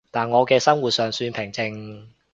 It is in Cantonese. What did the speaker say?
但我嘅生活尚算平靜